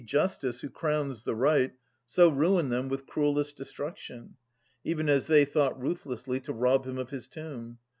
Justice, who crowns the right, so ruin them With cruellest destruction, even as they Thought ruthlessly to rob him of his tomb